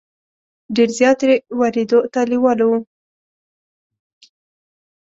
ډېر زیات یې ورېدو ته لېواله وو.